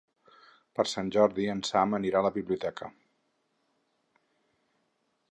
Per Sant Jordi en Sam anirà a la biblioteca.